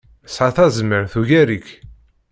Tesɛa tazmert ugar-ik.